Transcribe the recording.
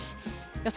予想